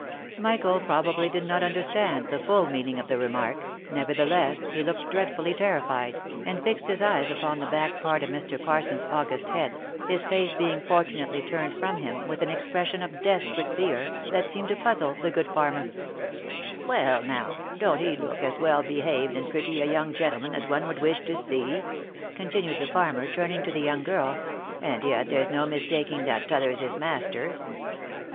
Michael probably did not understand the full meaning of the remark, nevertheless he looked dreadfully terrified, and fixed his eyes upon the back part of Mr. Parson's august head, his face being fortunately turned from him, with an expression of desperate fear, that seemed to puzzle the good farmer. . OF MICHAEL ARMSTRONG. 179 " Well now, don't he look like as well behaved and pretty a young gentleman as one would wish to see ?" continued the farmer, turning to the young girl, " and yet there's no mistaking that t'other's his master."